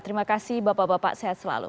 terima kasih bapak bapak sehat selalu